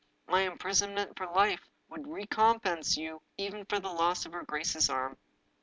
My imprisonment for life would recompense you even for the loss of her grace's arm.